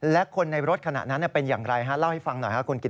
และคนในรถขนาดนั้นเป็นอย่างไรอ่ะล่าให้ฟังหน่อยครับครับครับ